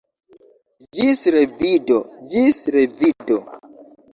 Ĝis revido, ĝis revido!